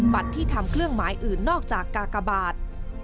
ที่ทำเครื่องหมายอื่นนอกจากกากบาท